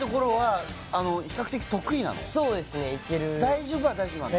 大丈夫は大丈夫なんだ？